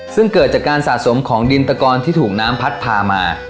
ซึ่งเกิดจากการสะสมของดินตะกอนที่ถูกน้ำพัดพามา